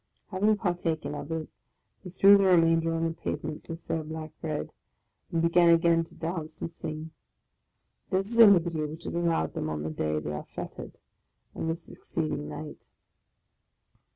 Having partaken of it, they threw the remainder on the pavement, with their black bread, and began again to dance and sing. This is a liberty which is allowed them on the day they are fettered and the succeeding night.